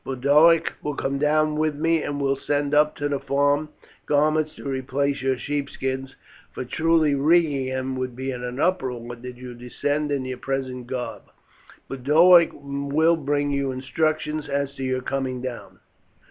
Boduoc will come down with me, and will send up to the farm garments to replace your sheepskins, for truly Rhegium would be in an uproar did you descend in your present garb. Boduoc will bring you instructions as to your coming down.